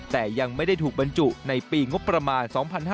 แต่ยังไม่ได้ถูกบรรจุในปีงบประมาณ๒๕๕๙